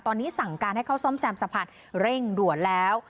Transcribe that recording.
ตอนนี้สั่งการให้เข้าซ่อมแซมสะพัดเร่งด่วนแล้ว